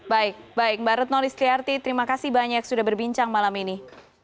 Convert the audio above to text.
baik baik mbak retno listriarti terima kasih banyak sudah berbincang malam ini